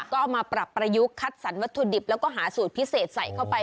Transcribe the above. ก็เอามาปรับประยุกต์คัดสรรวัตถุดิบแล้วก็หาสูตรพิเศษใส่เข้าไป